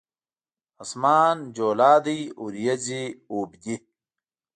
اسمان جولا دی اوریځې اوبدي